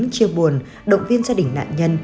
chiêu buồn động viên gia đình nạn nhân